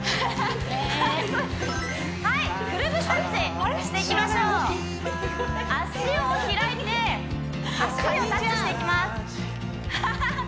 はいくるぶしタッチしていきましょう脚を開いて足首をタッチしていきますハハハ